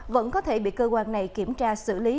vẫn có thể bị cơ quan này kiểm tra xử lý nếu có dấu hiệu vi phạm